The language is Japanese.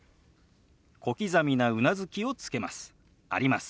小刻みなうなずきをつけます。